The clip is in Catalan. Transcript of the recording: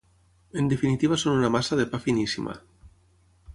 en definitiva són una massa de pa finíssima